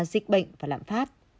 dịch bệnh và lạm phát